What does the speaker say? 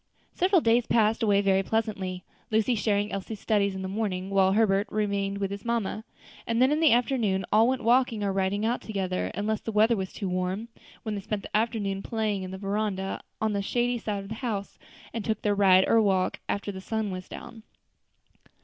Several days passed away very pleasantly, Lucy sharing Elsie's studies in the mornings, while Herbert remained with his mamma; and then in the afternoon all walking or riding out together, unless the weather was too warm, when they spent the afternoon playing in the veranda, on the shady side of the house, and took their ride or walk after the sun was down.